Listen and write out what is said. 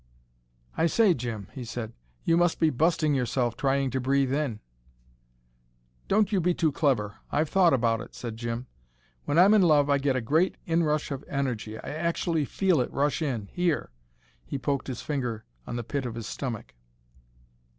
"I say Jim," he said. "You must be busting yourself, trying to breathe in." "Don't you be too clever. I've thought about it," said Jim. "When I'm in love, I get a great inrush of energy. I actually feel it rush in here!" He poked his finger on the pit of his stomach.